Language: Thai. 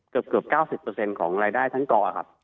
เกือบ๙๐ของรายได้ทั้งกอครับ